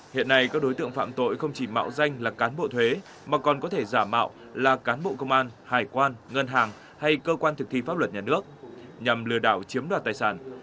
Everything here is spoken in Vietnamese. hiện nay các đối tượng phạm tội không chỉ mạo danh là cán bộ thuế mà còn có thể giả mạo là cán bộ công an hải quan ngân hàng hay cơ quan thực thi pháp luật nhà nước nhằm lừa đảo chiếm đoạt tài sản